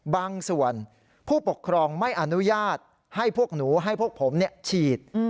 บางส่วนผู้ปกครองไม่อนุญาตให้พวกหนูให้พวกผมฉีด